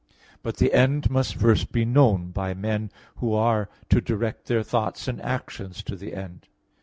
But the end must first be known by men who are to direct their thoughts and actions to the end.